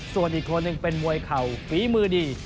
ส่วนอีกคนหนึ่งเป็นมวยเข่าฝีมือดี